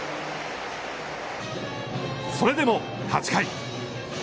それでも８回。